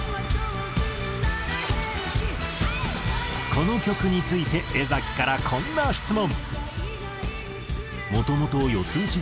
この曲について江からこんな質問。